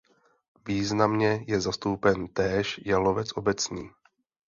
Významně je zastoupen též jalovec obecný.